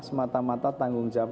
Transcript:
semata mata tanggung jawab